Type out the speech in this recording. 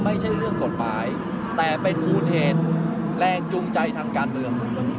ไม่ใช่เรื่องกฎหมายแต่เป็นมูลเหตุแรงจูงใจทางการเมือง